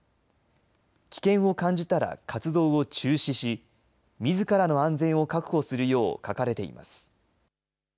危険を感じたら活動を中止し、みずからの安全を確保するよう書かれています。